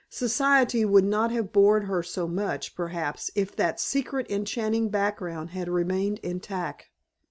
Society would not have bored her so much perhaps if that secret enchanting background had remained intact.